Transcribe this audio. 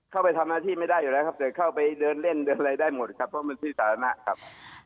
เข้าไปทำหน้าที่ไม่ได้อยู่แล้วครับแต่เข้าไปเดินเล่นเดินอะไรได้หมดครับเพราะมันที่สาธารณะครับ